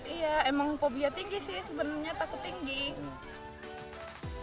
iya emang fobia tinggi sih sebenarnya takut tinggi